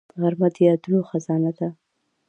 غرمه د یادونو خزانه ده